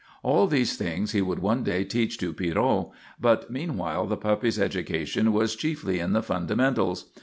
All these things he would one day teach to Pierrot, but meanwhile the puppy's education was chiefly in the fundamentals.